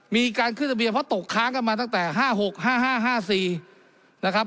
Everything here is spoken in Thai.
มีการขึ้นทะเบียนเพราะตกค้างกันมาตั้งแต่ห้าหกห้าห้าห้าสี่นะครับ